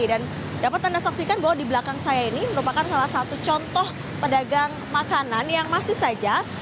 dan dapat anda saksikan bahwa di belakang saya ini merupakan salah satu contoh pedagang makanan yang masih saja